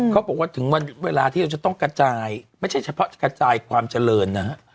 เขาบอกว่าถึงวันเวลาที่เราจะต้องกระจายไม่ใช่เฉพาะจะกระจายความเจริญนะฮะ